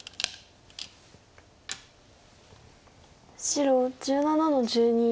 白１７の十二。